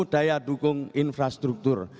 daya dukung infrastruktur